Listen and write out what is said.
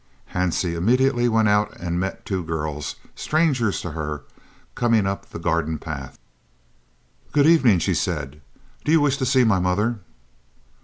Hansie immediately went out and met two girls, strangers to her, coming up the garden path. "Good evening," she said. "Do you wish to see my mother?"